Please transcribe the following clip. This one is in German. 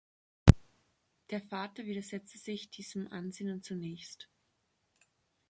Der Vater widersetzte sich diesem Ansinnen zunächst.